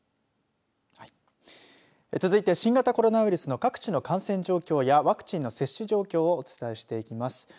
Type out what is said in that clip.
続いて新型コロナウイルスの各地の感染状況やワクチンの接種状況をお伝えしていきます。